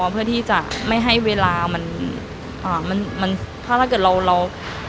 เพื่อที่จะไม่ให้เวลามันอ่ามันมันถ้าเกิดเราเรา